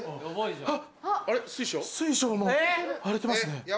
あっ水晶も割れてますね。